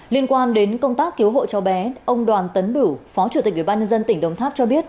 liên quan đến công tác cứu hộ cháu bé ông đoàn tấn bửu phó chủ tịch ubnd tỉnh đồng tháp cho biết